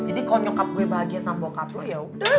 jadi kalau nyokap gue bahagia sama bokap lo ya udah